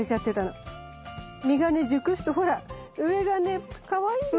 実がね熟すとほら上がねかわいいんですよ。